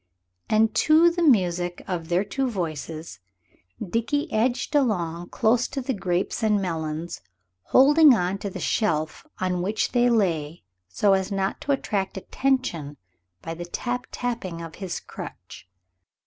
And to the music of their two voices Dickie edged along close to the grapes and melons, holding on to the shelf on which they lay so as not to attract attention by the tap tapping of his crutch.